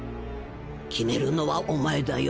決めるのはお前だよ。